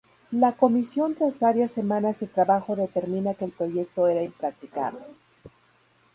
La comisión tras varias semanas de trabajo determina que el proyecto era impracticable.